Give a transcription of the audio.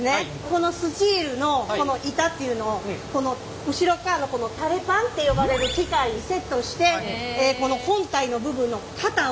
このスチールのこの板っていうのを後ろっかわのこのタレパンって呼ばれる機械にセットしてこの本体の部分の型を抜き打つと。